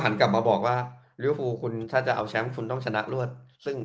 หันกลับมาบอกว่าคุณถ้าจะเอาแชมป์คุณต้องชนะรวดซึ่ง